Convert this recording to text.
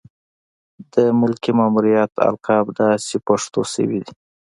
د ملکي مامورینو القاب داسې پښتو شوي دي.